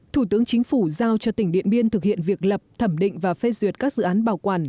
thủ tướng chính phủ giao cho tỉnh điện biên thực hiện việc lập thẩm định và phê duyệt các dự án bảo quản